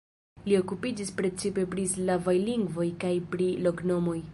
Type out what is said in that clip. Li okupiĝis precipe pri slavaj lingvoj kaj pri loknomoj.